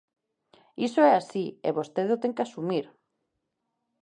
Iso é así, e vostede o ten que asumir.